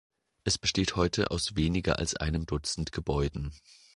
Es besteht heute aus weniger als einem Dutzend Gebäuden.